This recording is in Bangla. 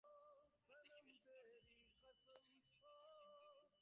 আর দেখিবে সাকার ঈশ্বরের সঙ্গে সর্বদা একটি সাকার শয়তানও আসিয়া পড়িবে।